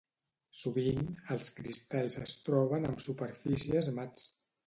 Sovint, els cristalls es troben amb superfícies mats.